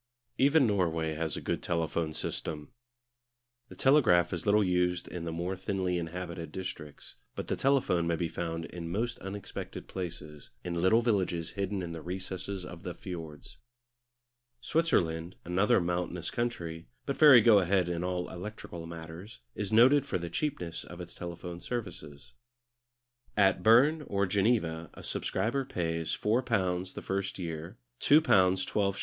Even Norway has a good telephone system. The telegraph is little used in the more thinly inhabited districts, but the telephone may be found in most unexpected places, in little villages hidden in the recesses of the fiords. Switzerland, another mountainous country, but very go ahead in all electrical matters, is noted for the cheapness of its telephone services. At Berne or Geneva a subscriber pays £4 the first year, £2, 12s.